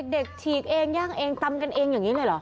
ฉีกเองย่างเองตำกันเองอย่างนี้เลยเหรอ